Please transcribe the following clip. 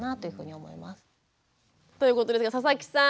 ということですが佐々木さん